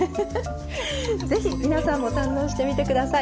是非皆さんも堪能してみてください。